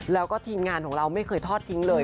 แล้วก็ทีมงานของเราไม่เคยทอดทิ้งเลย